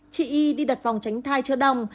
chị y đi đặt vòng tránh thai chưa đồng